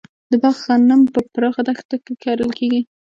د بلخ غنم په پراخه دښتو کې کرل کیږي.